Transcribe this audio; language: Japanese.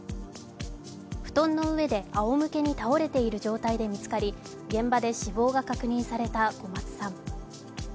布団の上であおむけに倒れている状態で見つかり現場で死亡が確認された小松さん。